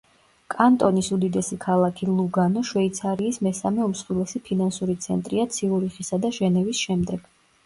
კანტონის უდიდესი ქალაქი ლუგანო შვეიცარიის მესამე უმსხვილესი ფინანსური ცენტრია ციურიხისა და ჟენევის შემდეგ.